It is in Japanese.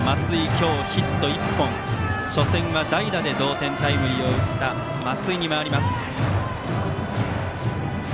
今日ヒット１本、初戦は代打で同点タイムリーを打った松井に回ります。